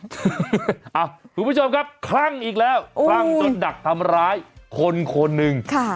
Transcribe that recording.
คุณผู้ชมครับคลั่งอีกแล้วคลั่งจนดักทำร้ายคนคนหนึ่ง